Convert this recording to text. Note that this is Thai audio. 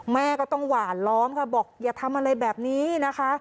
แม่ก็ต้องหวานล้อมค่ะบอกอย่าทำอะไรแบบนี้นะคะ